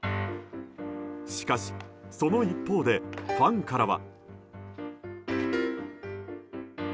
しかし、その一方でファンからは。